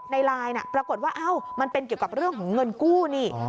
ในไลน์ปรากฏว่ามันเป็นเกี่ยวกับเรื่องของเงินกู้นี่